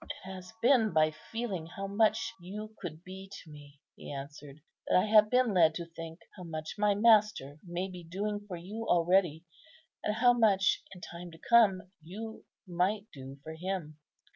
"It has been by feeling how much you could be to me," he answered, "that I have been led to think how much my Master may be doing for you already, and how much in time to come you might do for Him.